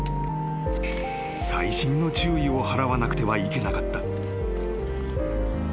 ［細心の注意を払わなくてはいけなかった］